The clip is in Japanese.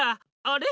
あれ？